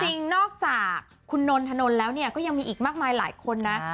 จริงนอกจากคุณนนทนนท์แล้วเนี่ยก็ยังมีอีกมากมายหลายคนนะ